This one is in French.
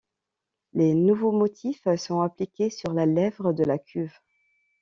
Les nouveaux motifs sont appliqués sur la lèvre de la cuve.